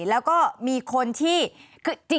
แล้วก็มีคนที่คือ